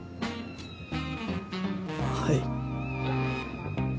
はい。